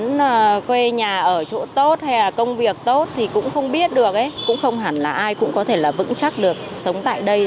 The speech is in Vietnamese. muốn quê nhà ở chỗ tốt hay là công việc tốt thì cũng không biết được ấy cũng không hẳn là ai cũng có thể là vững chắc được sống tại đây